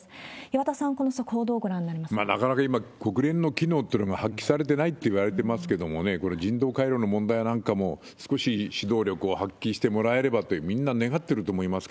岩田さん、この速報、どうご覧になかなか今、国連の機能というのが発揮されてないといわれてますけれども、これ、人道回廊の問題なんかも少し指導力を発揮してもらえればとみんなそうですね。